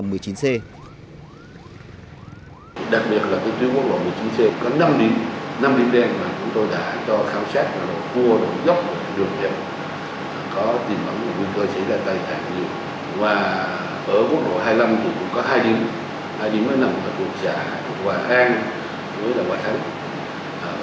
ở quốc lộ hai mươi năm thì cũng có hai điểm hai điểm nó nằm ở quốc gia hòa an với là hòa thánh